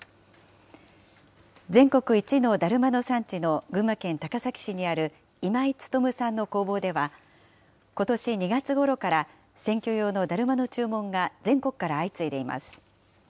全国一のだるまの産地の群馬県高崎市にある今井勤さんの工房では、ことし２月ごろから、選挙用のだるまの注文が全国から相次いでいます。